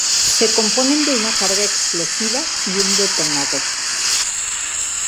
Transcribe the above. Se componen de una carga explosiva y un detonador.